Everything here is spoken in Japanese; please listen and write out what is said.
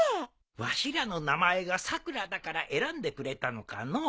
わしらの名前が「さくら」だから選んでくれたのかのう。